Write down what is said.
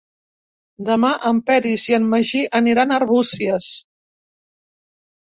Demà en Peris i en Magí aniran a Arbúcies.